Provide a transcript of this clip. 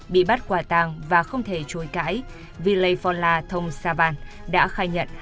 bị bắt quả tàng và không thể chối cãi villei phonla thong savan đã khai nhận